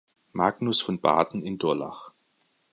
Magnus von Baden in Durlach.